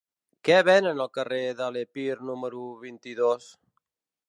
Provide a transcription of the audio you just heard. Què venen al carrer de l'Epir número vint-i-dos?